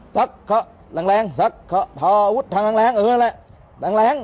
ซักเขาแรงซักเขาทาวุทธังแรงเออแหละ